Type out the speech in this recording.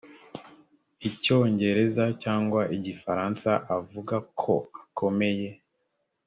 icyongereza cyangwa igifaransa avuga ko akomeye